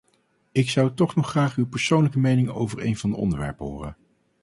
Ik zou toch nog graag uw persoonlijke mening over een van de onderwerpen horen.